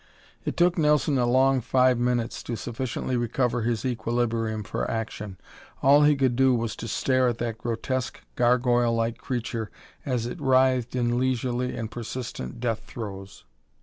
It took Nelson a long five minutes to sufficiently recover his equilibrium for action. All he could do was to stare at that grotesque, gargoyle like creature as it writhed in leisurely and persistent death throes.